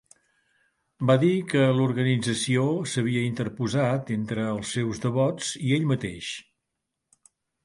Va dir que l'organització s'havia interposat entre els seus devots i ell mateix.